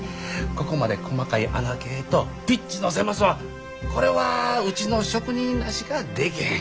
ここまで細かい孔径とピッチの狭さはこれはうちの職人らしかできへん。